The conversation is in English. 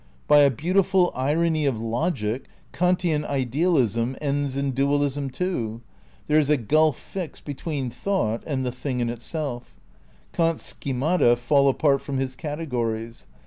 By a beautiful irony of logic, Kantian idealism ends in dual ism, too. There is a gulf fixed between thought and the Thing in Itself. Kant's schemata fall apart from his categories.